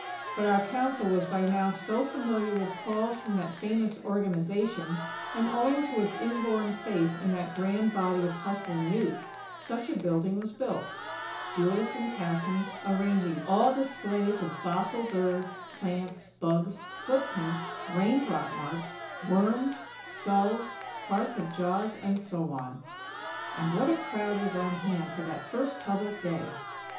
But our Council was by now so familiar with calls from that famous "Organization", and, owing to its inborn faith in that grand body of hustling Youth, such a building was built; Julius and Kathlyn arranging all displays of fossil birds, plants, "bugs," footprints, raindrop marks, worms, skulls, parts of jaws, and so on. And what a crowd was on hand for that first public day!